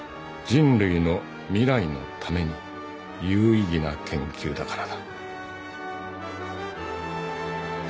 人類の未来のために有意義な研究だからだ。